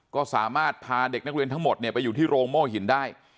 ก็สามารถพาเด็กนักเรียนทั้งหมดไปอยู่ที่โรงโม่หินได้